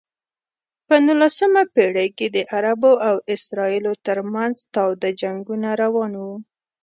په نولسمه پېړۍ کې د عربو او اسرائیلو ترمنځ تاوده جنګونه روان و.